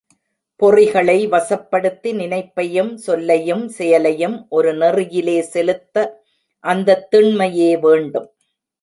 பொறிகளை வசப்படுத்தி, நினைப்பையும் சொல்லையும் செயலையும் ஒரு நெறியிலே செலுத்த அந்தத் திண்மையே வேண்டும்.